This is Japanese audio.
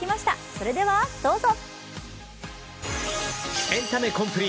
それではどうぞ。